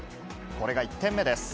これが１点目です。